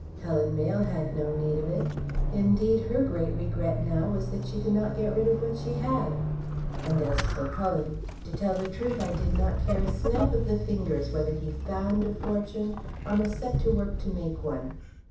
Helen Mayle had no need of it, indeed, her great regret now was that she could not get rid of what she had; and as for Cullen, to tell the truth, I did not care a snap of the fingers whether he found a fortune or must set to work to make one.